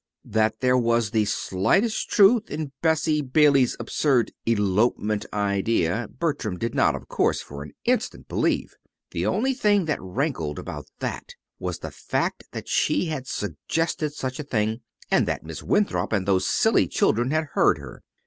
That there was the slightest truth in Bessie Bailey's absurd "elopement" idea, Bertram did not, of course, for an instant believe. The only thing that rankled about that was the fact that she had suggested such a thing, and that Miss Winthrop and those silly children had heard her.